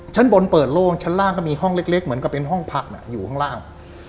ชั้นบนเปิดโล่งชั้นล่างก็มีห้องเล็กเหมือนกับเป็นห้องพักอยู่ข้างล่าง